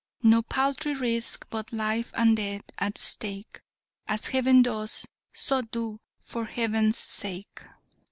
No paltry risk but life and death at stake; As Heaven does, so do, for Heaven's sake!"